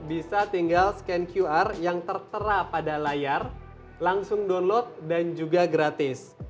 bisa tinggal scan qr yang tertera pada layar langsung download dan juga gratis